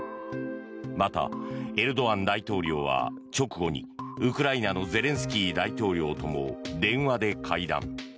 またエルドアン大統領は直後にウクライナのゼレンスキー大統領とも電話で会談。